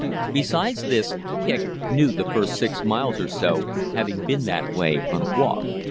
Besides this, Kicq knew the first 6 miles or so, having been that way on a walk.